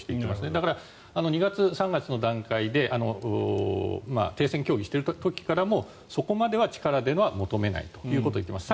だから、２月、３月の段階で停戦協議をしている時からもそこまでは力では求めないということを言っています。